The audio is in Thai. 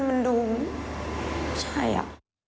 มันดูใช่อะ